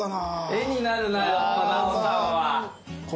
絵になるな奈緒さんは。